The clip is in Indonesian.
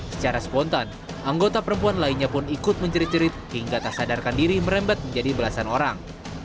secara spontan anggota perempuan lainnya pun ikut menjerit jerit hingga tak sadarkan diri merembet menjadi belasan orang